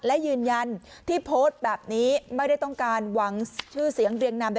และยืนยันที่โพสต์แบบนี้ไม่ได้ต้องการหวังชื่อเสียงเรียงนำ